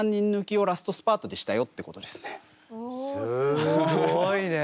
すごいね！